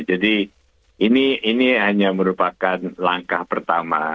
jadi ini hanya merupakan langkah pertama